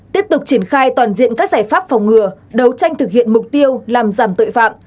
tiếp tục triển khai toàn diện các giải pháp phòng ngừa đấu tranh thực hiện mục tiêu làm giảm tội phạm